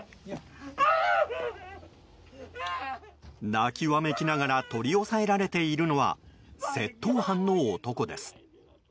泣きわめきながら取り押さえられているのは窃盗犯の男です。